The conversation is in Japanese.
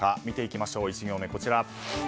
見ていきましょう、１行目。